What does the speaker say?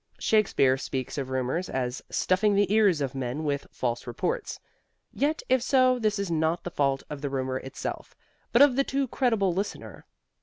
Shakespeare speaks of rumors as "stuffing the ears of men with false reports," yet if so this is not the fault of the rumor itself, but of the too credible listener.